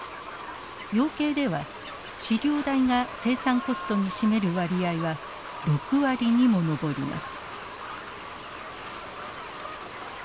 養鶏では飼料代が生産コストに占める割合は６割にも上ります。